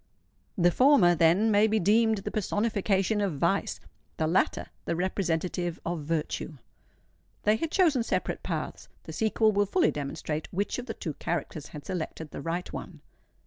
The former, then, may be deemed the personification of vice, the latter the representative of virtue. They had chosen separate paths:—the sequel will fully demonstrate which of the two characters had selected the right one.